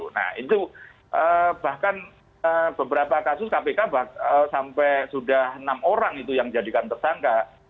nah itu bahkan beberapa kasus kpk sampai sudah enam orang itu yang jadikan tersangka